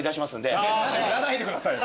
売らないでくださいよ。